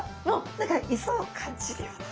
何か磯を感じるような。